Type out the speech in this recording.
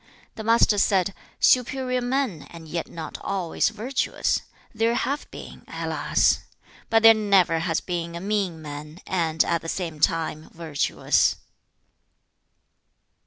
The Master said, 'Superior men, and yet not always virtuous, there have been, alas! But there never has been a mean man, and, at the same time, virtuous.'